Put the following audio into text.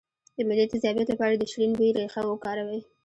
د معدې د تیزابیت لپاره د شیرین بویې ریښه وکاروئ